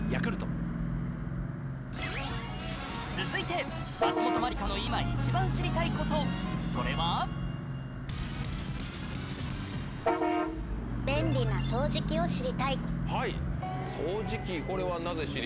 続いてそれはを知りたい。